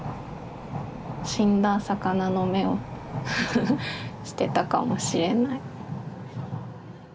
死んだ魚の目をしてたかもしれない。